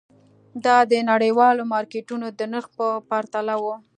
دا د نړیوالو مارکېټونو د نرخ په پرتله وو.